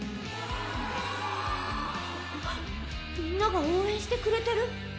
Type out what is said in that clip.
みんなが応援してくれてる？